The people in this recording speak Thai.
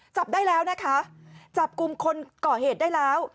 จับได้แล้วนะคะจับกลุ่มคนก่อเหตุได้แล้ว